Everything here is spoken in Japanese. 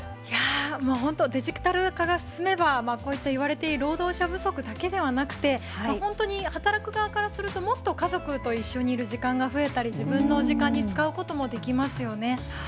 いやぁ、もう本当、デジタル化が進めば、こういった、いわれている労働者不足だけではなくて、本当に働く側からすると、もっと家族と一緒にいる時間が増えたり、自分の時間に使うこともできますよね。